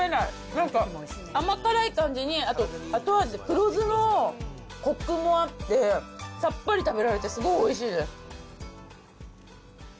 なんか甘辛い感じに、あと後味、黒酢のコクもあって、さっぱり食べられてすごいおいしいです。